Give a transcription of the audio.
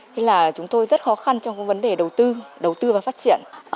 thế là chúng tôi rất khó khăn trong vấn đề đầu tư và phát triển